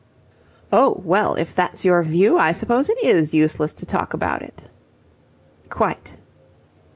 "Oh, well, if that's your view, I suppose it is useless to talk about it." "Quite."